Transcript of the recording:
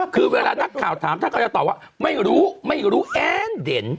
คือเวลานักข่าวถามถ้าเขาจะตอบว่าไม่รู้ไม่รู้แอ้นเด่น